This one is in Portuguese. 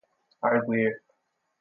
arguir